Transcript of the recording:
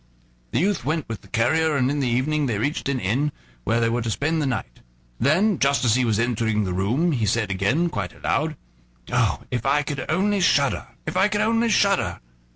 The youth went with the carrier, and in the evening they reached an inn, where they were to spend the night. Then, just as he was entering the room, he said again, quite aloud: "Oh! if I could only shudder! if I could only shudder!"